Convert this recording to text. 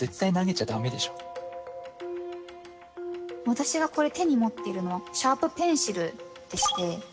私がこれ手に持ってるのはシャープペンシルでして。